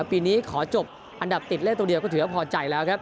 ว่าปีนี้ขอจบอันดับติดเล่นตัวเดียวก็ถือแล้วปลอดภัยแล้วครับ